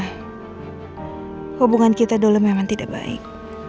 hubungan kita dulu memang tidak baik